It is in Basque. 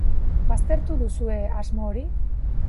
Baztertu duzue asmo hori?